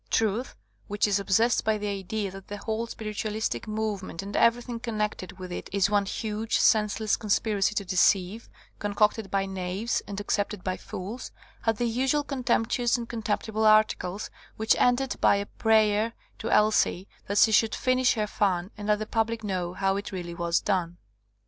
Truth, which is obsessed by the idea that the whole spiritual istic movement and everything connected 59 THE COMING OF THE FAIRIES with it is one huge, senseless conspiracy to deceive, concocted by knaves and accepted by fools, bad the usual contemptuous and contemptible articles, which ended by a prayer to Elsie that she should finish her fun and let the public know how it really was done.